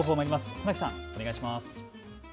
船木さん、お願いします。